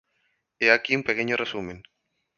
He aquí un pequeño resumen.